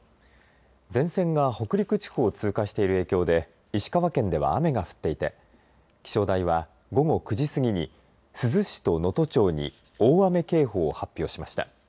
前線が北陸地方を通過している影響で石川県では雨が降っていて気象台は、午後９時過ぎに珠洲市と能登町に大雨警報を発表しました。